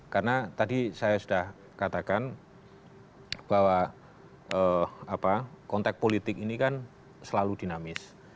karena tadi saya sudah katakan bahwa konteks politik ini kan selalu dinamis